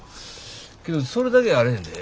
けどそれだけやあれへんで。